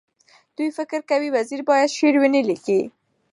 دوی فکر کوي وزیر باید شعر ونه لیکي.